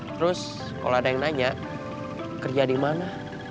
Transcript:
terus kalau ada yang nanya kerja di mana